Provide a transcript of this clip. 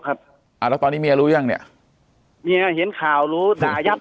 ครับอ่าแล้วตอนนี้เมียรู้ยังเนี่ยเมียเห็นข่าวรู้ด่ายับ